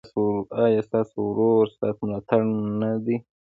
ایا ستاسو ورور ستاسو ملاتړ نه دی؟